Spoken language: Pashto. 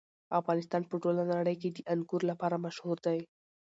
افغانستان په ټوله نړۍ کې د انګور لپاره مشهور دی.